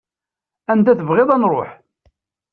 Anda tebɣiḍ ad nruḥ.